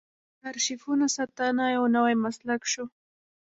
د ارشیفونو ساتنه یو نوی مسلک شو.